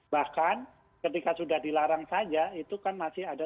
bahkan ketika sudah dilarang saja itu kan masih ada